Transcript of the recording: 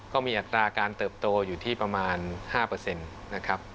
อัตราการเติบโตอยู่ที่ประมาณ๕นะครับ